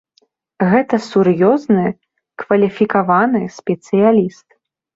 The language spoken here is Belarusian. Гэта сур'ёзны, кваліфікаваны спецыяліст.